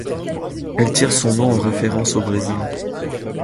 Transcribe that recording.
Elle tire son nom en référence au Brésil.